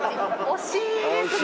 惜しいですね。